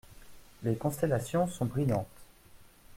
Les constellations sont brillantes.